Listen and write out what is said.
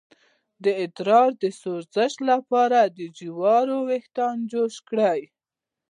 د ادرار د سوزش لپاره د جوارو ویښتان جوش کړئ